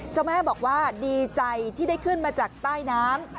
เจ้าแม่บอกว่าดีใจที่ได้ขึ้นมาจากใต้น้ำ